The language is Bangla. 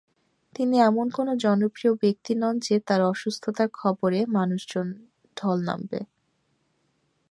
তিনি এমন কোনো জনপ্রিয় ব্যক্তি নন যে তাঁর অসুস্থতার খবরে মানুষের ঢল নামবে।